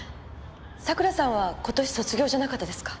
佐倉さんは今年卒業じゃなかったですか？